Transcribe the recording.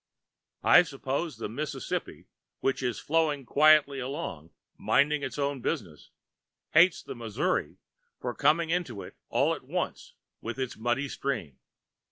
I suppose the Mississippi, which was flowing quietly along, minding its own business, hates the Missouri for coming into it all at once with its muddy stream.